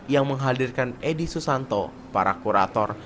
yang menghadirkan edi susanto para kurator